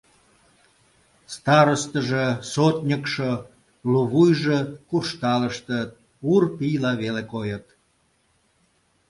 Старостыжо, сотньыкшо, лувуйжо куржталыштыт, ур пийла веле койыт…